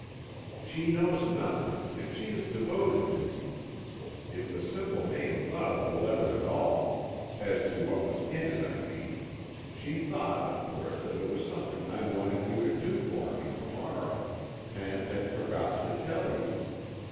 "She knows nothing, and she is devoted to me. If the simple maid thought of the letter at all as to what was in it, I mean she thought, of course, that it was something I wanted you to do for me to morrow, and had forgotten to tell you.